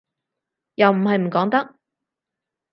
又唔係唔講得